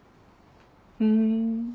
ふん。